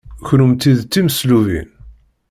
Kennemti d timeslubin.